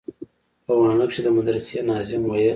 په واڼه کښې د مدرسې ناظم ويل.